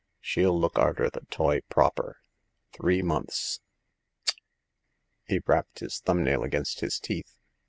She'll look arter the toy proper. Three months. Tck !" he rapped his thumbnail against his teeth.